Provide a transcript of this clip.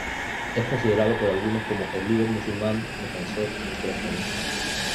Es considerado por algunos como el líder musulmán defensor del creacionismo.